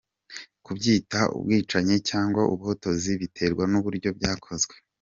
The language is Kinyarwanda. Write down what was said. Kubyita ubwicanyi cyangwa ubuhotozi biterwa n’uburyo byakozwe.